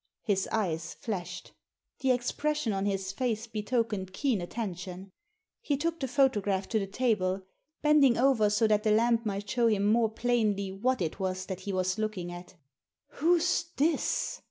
His eyes flashed. The expression on his face betokened keen attention. He took the photograph to the table, bending over so that the lamp might show him more plainly what it was that he was looking at "Who's this